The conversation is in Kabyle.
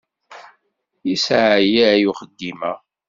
Yesseɛyay uxeddim-a.